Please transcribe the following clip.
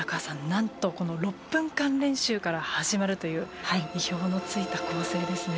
なんとこの６分間練習から始まるという意表の突いた構成ですね。